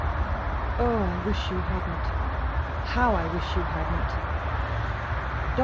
"Oh, I wish you hadn't, how I wish you hadn't. Dr.